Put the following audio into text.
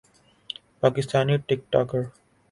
Pakistani ٹک talker